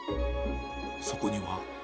そこには。